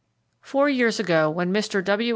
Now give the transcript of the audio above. — Four years ago, when Mr. W.